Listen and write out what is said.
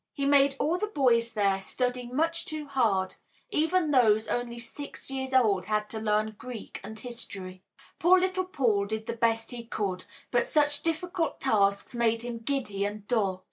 He made all the boys there study much too hard; even those only six years old had to learn Greek and history. Poor little Paul did the best he could, but such difficult tasks made him giddy and dull.